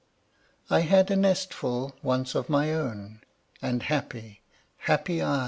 I had a nestful once of my own, Ah happy, happy I!